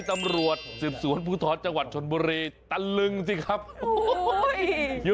ตำรวจสืบสวนภูทรจังหวัดชนบุรีตะลึงสิครับโอ้โหอยู่